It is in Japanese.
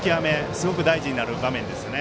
すごく大事になる場面ですね。